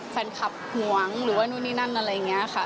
แฟนคลับห่วงหรือว่านู่นนี่นั่นอะไรอย่างนี้ค่ะ